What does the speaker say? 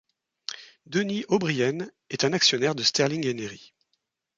Denis O'Brien est un actionnaire de Sterling Enery.